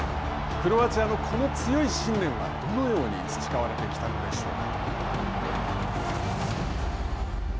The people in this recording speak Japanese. クロアチアのこの強い信念はどのように培われてきたのでしょうか。